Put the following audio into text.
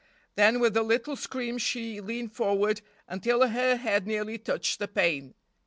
Then with a little scream she leaned forward until her head nearly touched the pane.